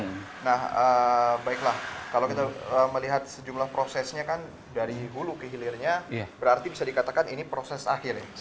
nah baiklah kalau kita melihat sejumlah prosesnya kan dari hulu ke hilirnya berarti bisa dikatakan ini proses akhir ya